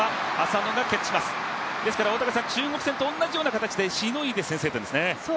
中国戦と同じような形で、しのいで先制点ですね。